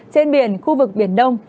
trên biển khu vực biển đông